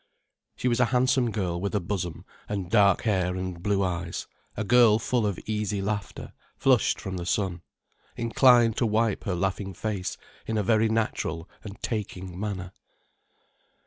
She was a handsome girl with a bosom, and dark hair and blue eyes, a girl full of easy laughter, flushed from the sun, inclined to wipe her laughing face in a very natural and taking manner.